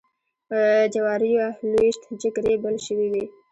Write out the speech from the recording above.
جوارېوه لویشت جګ ریبل شوي وې.